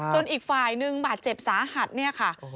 อีกฝ่ายนึงบาดเจ็บสาหัสเนี่ยค่ะ